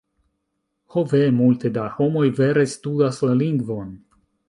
Ho ve, multe da homoj vere studas la lingvon.